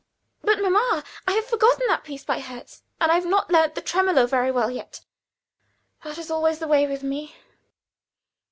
But, mamma, I have forgotten that piece by Herz, and I have not learned the "Tremolo" very well yet. That is always the way with me.